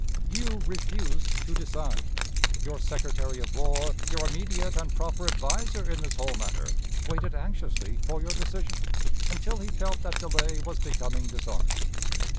You refused to decide. Your Secretary of War your immediate and proper adviser in this whole matter waited anxiously for your decision, until he felt that delay was becoming dishonor.